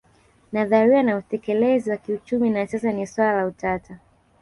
Nadharia na utekelezi wa kiuchumi na siasa ni swala la utata